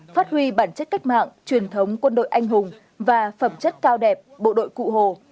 phát huy bản chất cách mạng truyền thống quân đội anh hùng và phẩm chất cao đẹp bộ đội cụ hồ